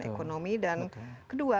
ekonomi dan kedua